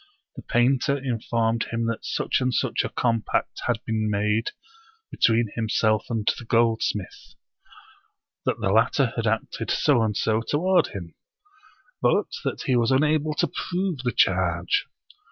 The painter informed him that such and such a compact had been made between himself and the gold smith; that the latter had acted so and so toward him, but that he was unable to prove the charge.